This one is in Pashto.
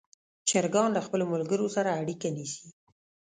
چرګان له خپلو ملګرو سره اړیکه نیسي.